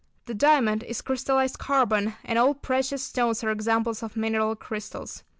The diamond is crystallised carbon, and all precious stones are examples of mineral crystals.